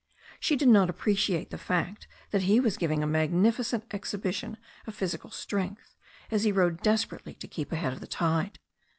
She did not appreciate the fact that he was giving a magnificent exhibition of physical strength as he rowed desperately to keep ahead of the tide.